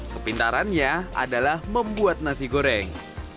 kepintarannya adalah membuat nasi goreng